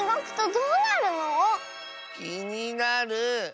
きになる。